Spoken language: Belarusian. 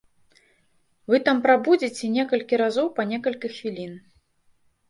Вы там прабудзеце некалькі разоў па некалькі хвілін.